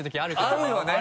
あるよね？